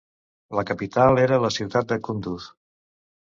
La capital era la ciutat de Kunduz.